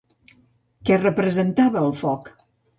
Què representava el foc?